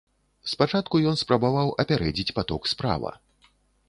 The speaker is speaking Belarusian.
Спачатку ён спрабаваў апярэдзіць паток справа.